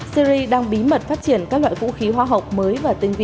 syria đang bí mật phát triển các loại vũ khí hoa học mới và tinh vị